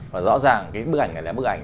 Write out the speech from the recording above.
và rõ ràng cái bức ảnh này là bức ảnh